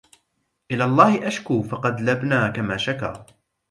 إلى الله أشكو فقد لبنى كما شكا